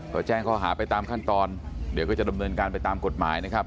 ก็แจ้งข้อหาไปตามขั้นตอนเดี๋ยวก็จะดำเนินการไปตามกฎหมายนะครับ